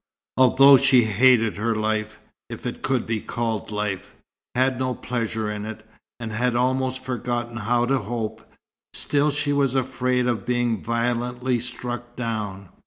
Although she hated her life, if it could be called life, had no pleasure in it, and had almost forgotten how to hope, still she was afraid of being violently struck down.